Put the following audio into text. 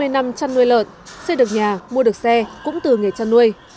hai mươi năm chăn nuôi lợn xây được nhà mua được xe cũng từ nghề chăn nuôi